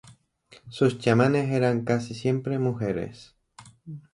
Sus chamanes eran casi siempre mujeres.